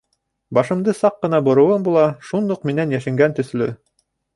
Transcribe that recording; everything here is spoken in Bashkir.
Башымды саҡ ҡына бороуым була, шундуҡ минән йәшенгән төҫлө.